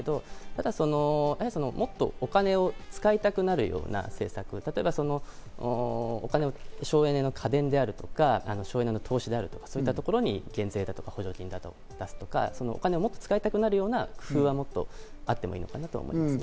ただもっとお金を使いたくなるような政策、例えば省エネの家電であるとか、省エネの投資であるとかそういうところに減税や補助金を出すとか、もっとお金を使いたくなるような工夫がもっとあってもいいのかなと思います。